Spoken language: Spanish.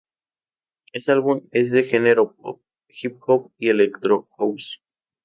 Este álbum es de genero Pop, hip hop y Electro house.